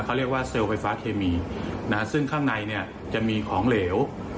เขาเรียกว่าเซลล์ไฟฟ้าเคมีซึ่งข้างในเนี่ยจะมีของเหลว